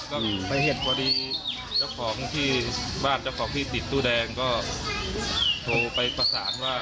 ก็ไปเห็นพอดีเจ้าของที่บ้านเจ้าของที่ติดตู้แดงก็โทรไปประสานว่า